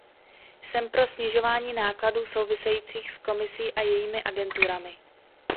Jsem pro snižování nákladů souvisejících s Komisí a jejími agenturami.